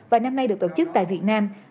và năm nay được tổ chức tại việt nam